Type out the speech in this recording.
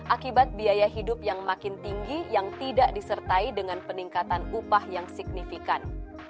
akibat biaya hidup yang makin tinggi yang tidak disertai dengan peningkatan upah yang signifikan